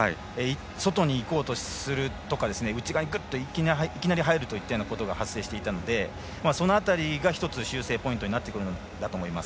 外にいこうとするとか、内側にぐっといきなり入るといったようなことが発生していたのでその辺りが１つ、修正ポイントになってくると思います。